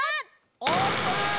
オープン！